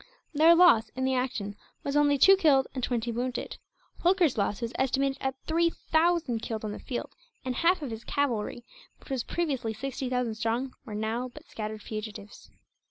Their loss, in the action, was only two killed and twenty wounded. Holkar's loss was estimated at three thousand killed on the field; and half of his cavalry, which was previously sixty thousand strong, were now but scattered fugitives.